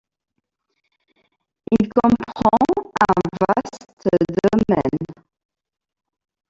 Il comprend un vaste domaine.